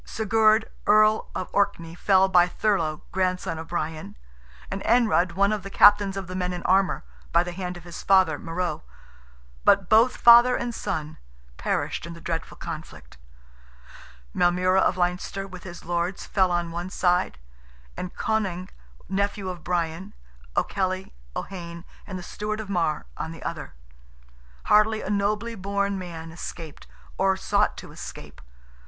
Sigurd, Earl of Orkney, fell by Thurlogh, grandson of Brian; and Anrud, one of the captains of the men in armour, by the hand of his father, Morrogh; but both father and son perished in the dreadful conflict; Maelmurra of Leinster, with his lords, fell on one side, and Conaing, nephew of Brian, O'Kelly, O'Heyne, and the Stewart of Marr, on the other. Hardly a nobly born man escaped, or sought to escape.